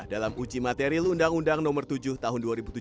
dalam uji material undang undang nomor tujuh tahun dua ribu tujuh belas